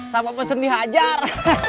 sama bosen dihajar